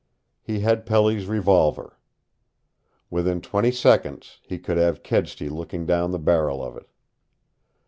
He had Pelly's revolver. Within twenty seconds he could have Kedsty looking down the barrel of it.